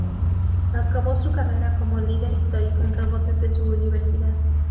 Acabó su carrera como líder histórico en rebotes de su universidad.